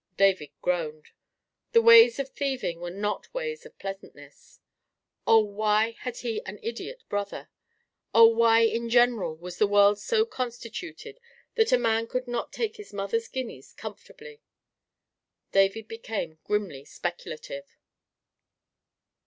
David groaned. The ways of thieving were not ways of pleasantness. Oh, why had he an idiot brother? Oh, why, in general, was the world so constituted that a man could not take his mother's guineas comfortably? David became grimly speculative.